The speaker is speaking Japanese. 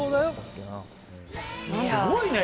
すごいね。